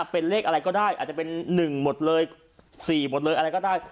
เป็นเลขอะไรก็ได้อาจจะเป็น๑หมดเลย๔หมดเลยอะไรก็ได้